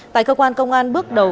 tại cơ quan công an bước đầu